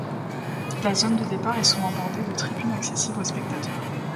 La zone de départ est souvent bordée de tribunes accessibles aux spectateurs.